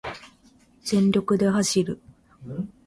全力で走る